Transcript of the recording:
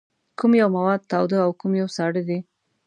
کوم یو مواد تاوده او کوم یو ساړه دي؟